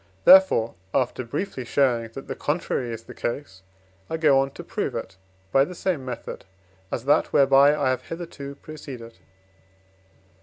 Therefore, after briefly showing that the contrary is the case, I go on to prove it by the same method, as that whereby I have hitherto proceeded.